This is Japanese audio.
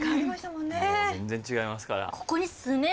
もう全然違いますから。